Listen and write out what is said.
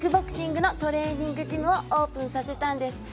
去年、カフェと、キックボクシングのトレーニングジムをオープンさせたんです。